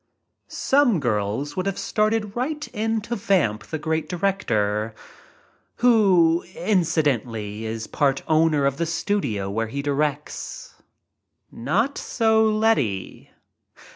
Some girls would have started right in to vamp great director — who, incidentally, is part owner of the studio where he directs. Not so, Letty.